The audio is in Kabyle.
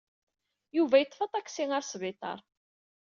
Yuba yeṭṭef aṭaksi ɣer sbiṭar.